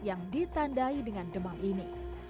yang ditandai dengan demam ini